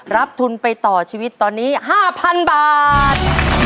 รับทุนไปต่อชีวิตตอนนี้๕๐๐๐บาท